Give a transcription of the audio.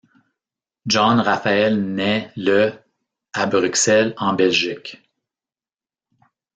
John Raphael naît le à Bruxelles, en Belgique.